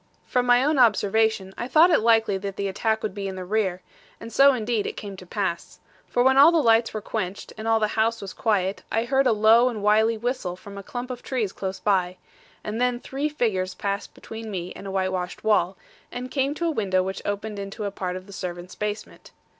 From my own observation, I thought it likely that the attack would be in the rear; and so indeed it came to pass. For when all the lights were quenched, and all the house was quiet, I heard a low and wily whistle from a clump of trees close by; and then three figures passed between me and a whitewashed wall, and came to a window which opened into a part of the servants' basement.